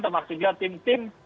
termasuk juga tim tim